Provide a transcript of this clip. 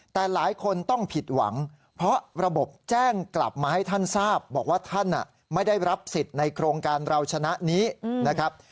แต่หลายคนต้องผิดหวังเพราะระบบแจ้งกลับมาให้ท่านทราบบอกว่าท่านไม่ได้รับสิทธิ์ในโครงการเราชนะนี้นะครับ